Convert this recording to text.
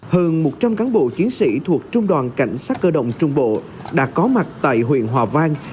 hơn một trăm linh cán bộ chiến sĩ thuộc trung đoàn cảnh sát cơ động trung bộ đã có mặt tại huyện hòa vang